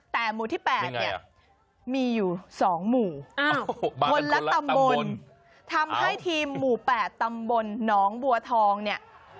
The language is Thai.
แต่หมู่ที่๘เนี่ยมีอยู่๒หมู่คนละตำบลทำให้ทีมหมู่๘ตำบลหนองบัวทองเนี่ย